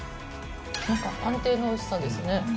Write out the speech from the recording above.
なんか安定のおいしさですね。